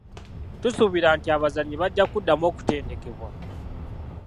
Tusuubira nti abazannyi bajja kuddamu okutendekebwa.